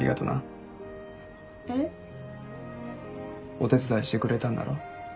お手伝いしてくれたんだろ？